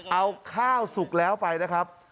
เอาข้าวสุกแล้วไปนะครับ